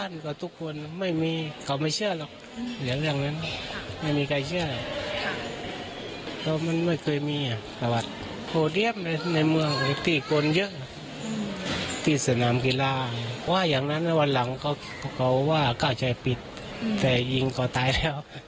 น้ำกีฬาเพราะว่าอย่างนั้นวันหลังเขาจะเปิดแต่หญิงก็ตายแล้ว